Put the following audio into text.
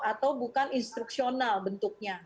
atau bukan instruksional bentuknya